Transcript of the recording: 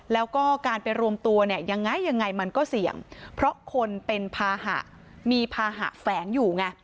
แล้วก็การไปรวมตัวเนี่ยยังไงยังไงมันก็เสี่ยงเพราะคนเป็นภาหะมีภาหะแฝงอยู่ไง